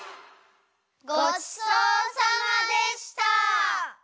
ごちそうさまでした！